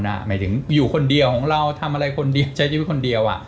หมายถึงอยู่คนเดียวของเราทำอะไรคนเดียวใช้ชีวิตคนเดียว